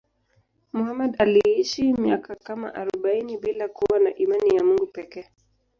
Muhammad aliishi miaka kama arobaini bila kuwa na imani ya Mungu pekee.